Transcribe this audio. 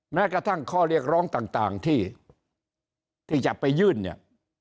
แม้กระทั่งข้อเรียกร้องต่างที่จะไปยื่นเนี่ย